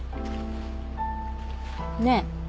ねえ。